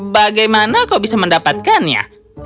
bagaimana kau bisa mendapatkannya